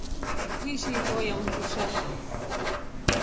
Wishi ihoyaa undushaa.